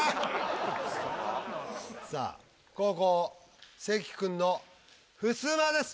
さあ後攻・関君の「ふすま」です。